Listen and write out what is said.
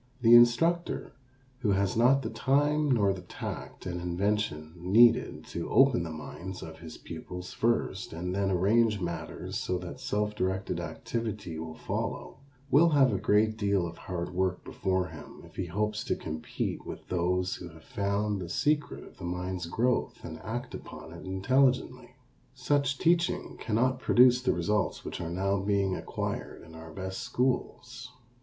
The instructor who has not the time nor the tact and invention needed to open the minds of his pupils first and then arrange matters so that self directed activity will follow, will have a great deal of hard work before him if he hopes to compete with those who have found the secret of the mind's growth and act upon it intelligently. Such teaching cannot produce the results which are now being acquired in our best schools.